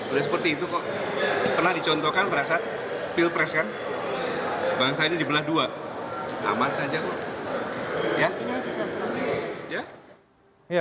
udah seperti itu kok pernah dicontohkan berasa pilpres kan bangsa ini di belah dua aman saja kok